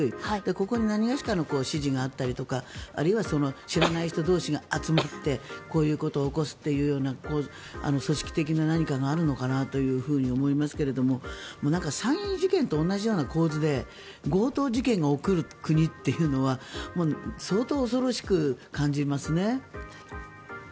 ここになにがしかの指示があったりとかあるいは知らない人同士が集まってこういうことを起こすという組織的な何かがあるのかなと思いますが強盗事件が起きる国というのは相当恐ろしく感じますね。